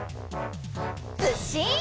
ずっしん！